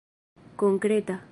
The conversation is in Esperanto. konkreta